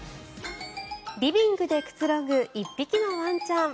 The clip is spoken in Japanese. リビングでくつろぐ１匹のワンちゃん。